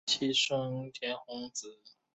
其妻笙田弘子。